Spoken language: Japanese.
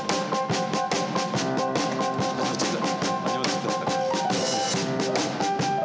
始まっちゃった。